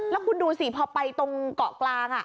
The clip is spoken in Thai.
แล้วคุณดูสิพอไปตรงเกาะกลาง